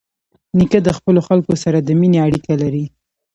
نیکه د خپلو خلکو سره د مینې اړیکه لري.